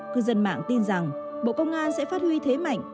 cư dân mạng tin rằng bộ công an sẽ phát huy thế mạnh